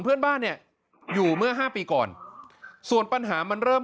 เพื่อนบ้านเนี่ยอยู่เมื่อห้าปีก่อนส่วนปัญหามันเริ่ม